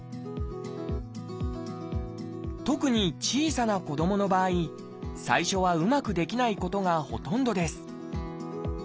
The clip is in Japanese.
特に小さな子どもの場合最初はうまくできないことがほとんどです